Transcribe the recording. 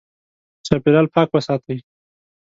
چاپېریال پاک وساتئ.